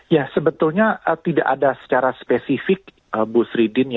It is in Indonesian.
ya sebetulnya tidak ada secara spesifik bu sridin